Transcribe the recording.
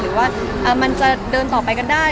ว่ามันจะเดินต่อไปกันได้